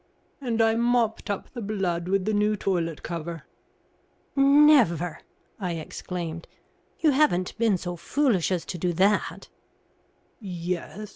"And I mopped up the blood with the new toilet cover." "Never!" I exclaimed. "You haven't been so foolish as to do that?" "Yes.